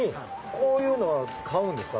こういうのは買うんですか？